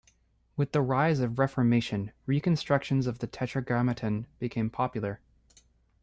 With the rise of the Reformation, reconstructions of the Tetragrammaton became popular.